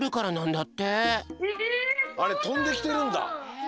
あれとんできてるんだ！